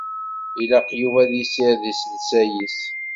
Ilaq Yuba ad yessired iselsa-is.